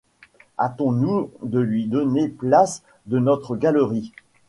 Hâtons-nous de lui donner place dans notre galerie.